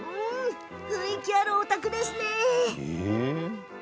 雰囲気のあるお宅ですね。